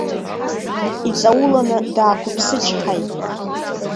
Иҵауланы даақәыԥсычҳаит.